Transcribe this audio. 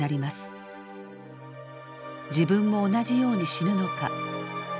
自分も同じように死ぬのか。